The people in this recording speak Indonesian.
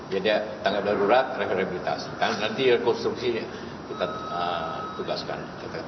jadi tanggal darurat rehabilitasi nanti rekonstruksi kita tugaskan